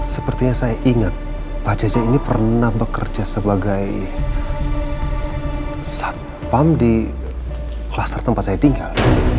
sepertinya saya ingat pak cece ini pernah bekerja sebagai satpam di kluster tempat saya tinggal